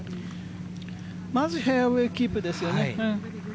まず、フェアウエーキープですよね。